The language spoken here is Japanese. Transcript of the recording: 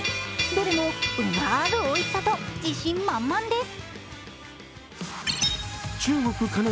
どれも、うなるおいしさと自信満々です。